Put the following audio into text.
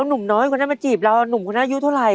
หนุ่มน้อยคนนั้นมาจีบเราหนุ่มคนนั้นอายุเท่าไหร่